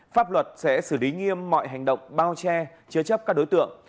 pháp luật sẽ xử lý nghiêm mọi hành động bao che chứa chấp các đối tượng